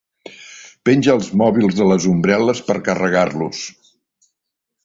Penja els mòbils de les ombrel·les per carregar-los.